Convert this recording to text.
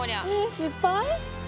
失敗？